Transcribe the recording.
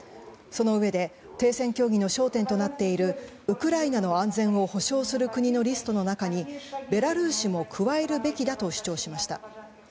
そのうえで停戦協議の焦点となっているウクライナの安全を保障する国のリストの中にベラルーシも加えるべきだと主張しました。